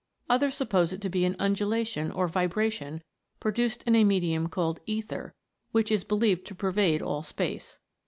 Others suppose it to be an undulation or vibration produced in a medium called ether, which is believed to pervade all space.